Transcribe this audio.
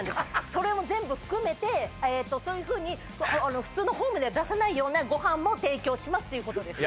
それも全部含めてそういうふうに普通のホームでは出さないようなごはんも提供しますということです